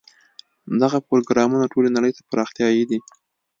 دغه پروګرامونه ټولې نړۍ ته پراختیايي دي.